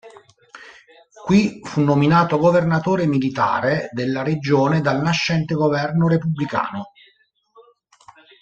Qui fu nominato governatore militare della regione dal nascente governo repubblicano.